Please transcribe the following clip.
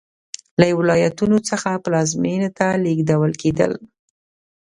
له ولایتونو څخه پلازمېنې ته لېږدول کېدل